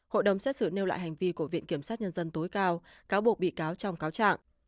hội đồng xét xử nêu lại hành vi của viện kiểm sát nhân dân tối cao cáo buộc bị cáo trong cáo trạng